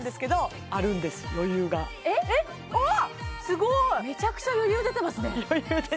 えっすごいめちゃくちゃ余裕出てますね